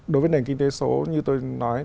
đối với nền kinh tế số như tôi nói